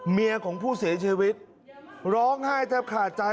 เมียของผู้เสียชีวิตร้องไห้แทบขาดใจ